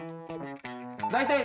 大体。